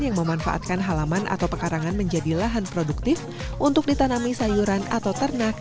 yang memanfaatkan halaman atau pekarangan menjadi lahan produktif untuk ditanami sayuran atau ternak